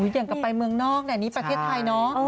อย่างกับมืองนอกประเทศไทย